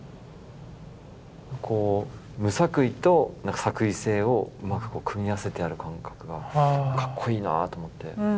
無作為と作為性をうまく組み合わせてある感覚がかっこいいなと思って。